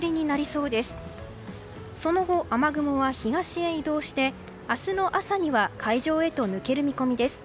その後、雨雲は東へ移動して明日の朝には海上へと抜ける見込みです。